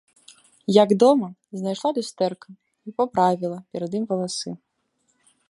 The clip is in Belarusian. Як дома, знайшла люстэрка й паправіла перад ім валасы.